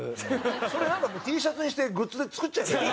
それなんかもうＴシャツにしてグッズで作っちゃえばいい。